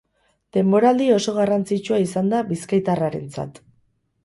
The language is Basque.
Denboraldi oso garrantzitsua izan da bizkaitarrarentzat.